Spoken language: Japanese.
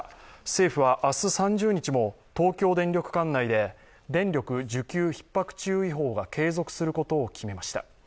政府は明日３０日も東京電力管内で電力需給ひっ迫注意報が継続することを決めました。